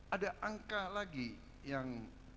ada angka lagi yang